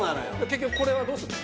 結局これはどうするの？